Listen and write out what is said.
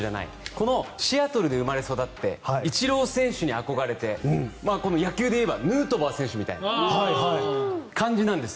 このシアトルで生まれ育ってイチロー選手に憧れて野球で言えばヌートバー選手みたいな感じなんです。